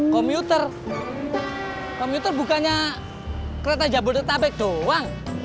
komuter komuter bukannya kereta jabodetabek doang